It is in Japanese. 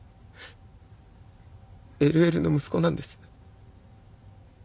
ＬＬの息子なんです。